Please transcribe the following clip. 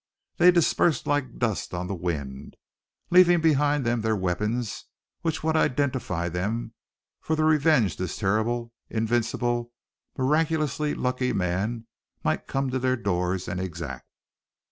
They dispersed like dust on the wind, leaving behind them their weapons which would identify them for the revenge this terrible, invincible, miraculously lucky man might come to their doors and exact.